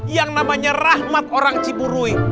yang namanya rahmat orang ciburui